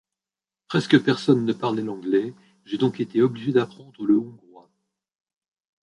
Presque personne ne parlait l'anglais, j'ai donc été obligé d'apprendre le hongrois.